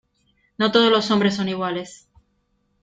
no todos los hombres son iguales...